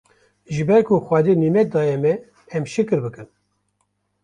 ji ber ku Xwedê nîmet daye me em şikir bikin